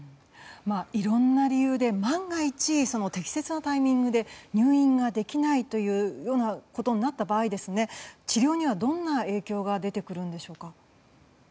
いろんな理由で万が一、適切なタイミングで入院ができないというようなことになった場合治療には、どんな影響が出てくるんでしょうか。